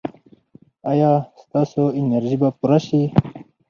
ایا ستاسو انرژي به پوره شي؟